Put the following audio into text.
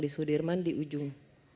di sudirman di ujung